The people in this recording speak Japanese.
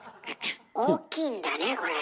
大きいんだねこれ。